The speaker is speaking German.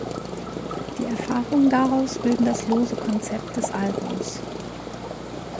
Die Erfahrungen daraus bilden das lose Konzept des Albums.